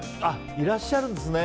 いらっしゃるんですね。